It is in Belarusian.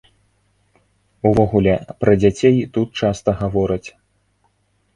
Увогуле, пра дзяцей тут часта гавораць.